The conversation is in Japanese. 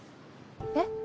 えっ。